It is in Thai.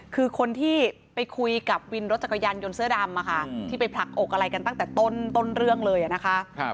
คือคนที่ไปคุยกับวินรถจักรยานยนต์เสื้อดำที่ไปผลักอกอะไรกันตั้งแต่ต้นเรื่องเลยนะคะ